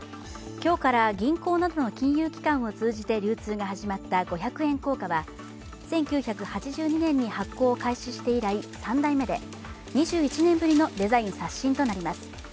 今日から銀行などの金融機関を通じて流通が始まった五百円硬貨は１９８２年に発行を開始して以来３代目で２１年ぶりのデザイン刷新となります。